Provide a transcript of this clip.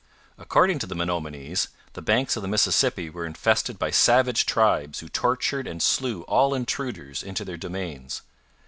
According to the Menominees, the banks of the Mississippi were infested by savage tribes who tortured and slew all intruders into their domains.